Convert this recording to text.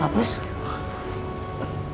pak bos baliknya dari rumah sakit gak bareng sama andin